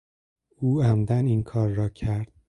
او عمدا این کار را کرد.